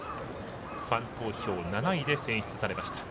ファン投票７位で選出されました。